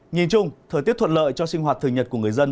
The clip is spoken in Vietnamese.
nhìn chung thời tiết thuận lợi cho sinh hoạt thường nhật của người dân